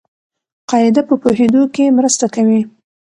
قاعده په پوهېدو کښي مرسته کوي.